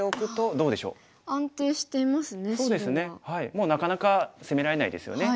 もうなかなか攻められないですよね。